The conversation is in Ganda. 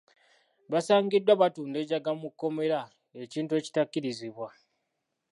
Basangiddwa batunda enjaga mu kkomera ekintu ekitakkirizibwa.